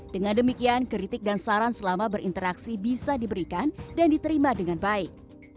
dengan demikian kritik dan saran selama berinteraksi bisa diberikan dan diterima dengan baik